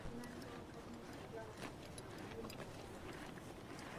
Buvunaanyizibwa bwa gavumenti okulaba nga eddagala weeriri mu malwaliro.